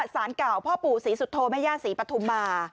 สารเก่าพ่อปู่ศรีสุโธแม่ย่าศรีปฐุมมา